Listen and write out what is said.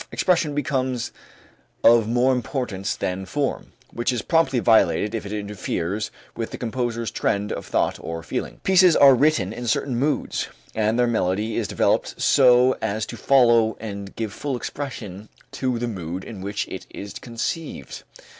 Expression becomes of more importance than form, which is promptly violated if it interferes with the composer's trend of thought or feeling. Pieces are written in certain moods, and their melody is developed so as to follow and give full expression to the mood in which it is conceived.